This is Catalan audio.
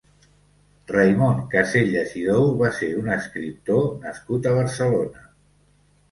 Raimon Casellas i Dou va ser un escriptora nascut a Barcelona.